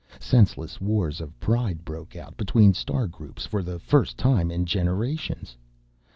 Senseless wars of pride broke out between star groups for the first time in generations.